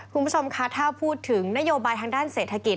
คุณผู้ชมคะถ้าพูดถึงนโยบายทางด้านเศรษฐกิจ